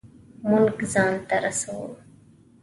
مونږ ځان ته رسو